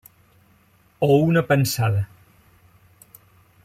O una pensada.